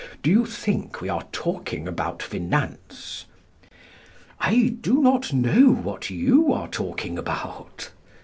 Do you think we are talking about finance? I do not know what you are talking about.